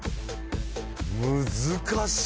難しい。